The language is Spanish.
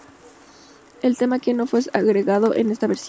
El tema "Ken" no fue agregado en esta versión.